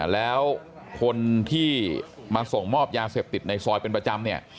แล้วคนที่มาส่งมอบยาเสพติดในซอยเป็นประจำเนี่ย